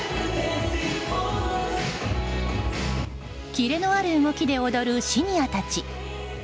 キレのある動きで踊るシニアたち。